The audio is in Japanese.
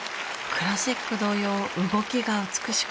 クラシック同様動きが美しかったです。